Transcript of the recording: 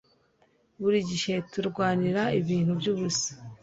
Buri gihe turwanira ibintu byubusa